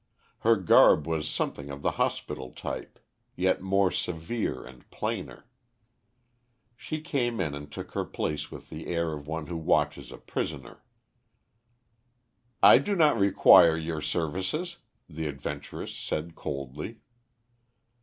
Her garb was something of the hospital type, yet more severe and plainer. She came in and took her place with the air of one who watches a prisoner. "I do not require your services," the adventuress said coldly.